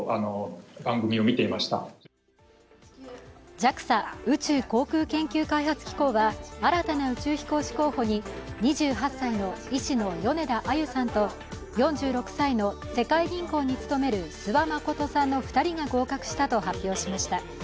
ＪＡＸＡ＝宇宙航空研究開発機構は、新たな宇宙飛行士候補に２８歳の医師の米田あゆさんと４６歳の世界銀行に勤める諏訪理さんの２人が合格したと発表しました。